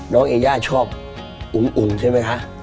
น้องเอญญาชอบอุ่งใช่ไหมคะ